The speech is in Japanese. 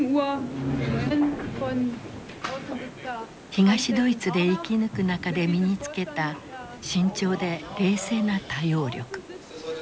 東ドイツで生き抜く中で身に付けた慎重で冷静な対応力。